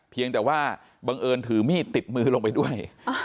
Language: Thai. เพียงแต่ว่าบังเอิญถือมีดติดมือลงไปด้วย